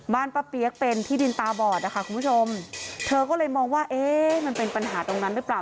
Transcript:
ป้าเปี๊ยกเป็นที่ดินตาบอดนะคะคุณผู้ชมเธอก็เลยมองว่าเอ๊ะมันเป็นปัญหาตรงนั้นหรือเปล่า